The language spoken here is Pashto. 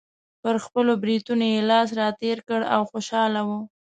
پر خپلو برېتونو یې لاس راتېر کړ او خوشحاله و.